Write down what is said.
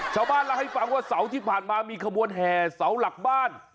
ชาวบ้านล่ะให้ฟังว่าเสาที่ผ่านมามีขมวดแห่เสาหลักบ้าน